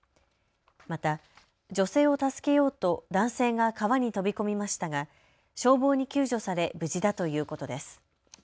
また女性を助けようと男性が川に飛び込みましたが消防に救助され無事だということです。